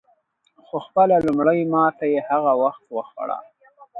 خو خپله لومړۍ ماته یې هغه وخت وخوړه.